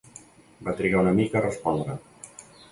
Va trigar una mica a respondre.